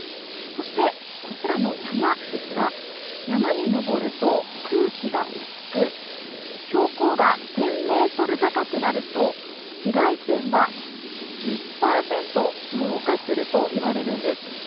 そして、こちらの山ですが山に登ると空気が薄く標高が１０００ｍ高くなると紫外線は１０％増加するといわれるんです。